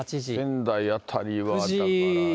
仙台辺りはだから。